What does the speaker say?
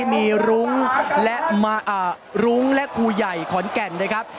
มีรุ้งและคูใหญ่ขอนแก่นนะครับ